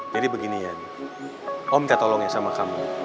jadi begini ian om minta tolong ya sama kamu